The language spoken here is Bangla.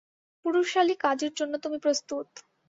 পুরুষালী কাজের জন্য তুমি প্রস্তুত।